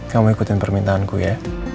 kamu ikutin permintaanku ya